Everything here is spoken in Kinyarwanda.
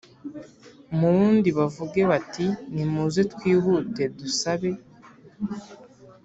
mu wundi bavuge bati Nimuze twihute dusabe